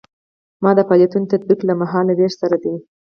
دا د فعالیتونو تطبیق له مهال ویش سره ده.